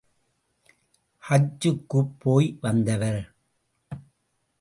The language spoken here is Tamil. ஹஜ் ஜுக்குப் போய் வந்தவர்.